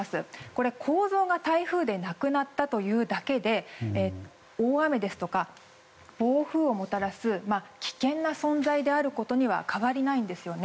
これ、構造が台風でなくなったというだけで大雨ですとか暴風をもたらす危険な存在であることには変わりないんです。